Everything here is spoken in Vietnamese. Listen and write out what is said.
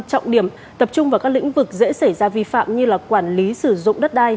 trọng điểm tập trung vào các lĩnh vực dễ xảy ra vi phạm như quản lý sử dụng đất đai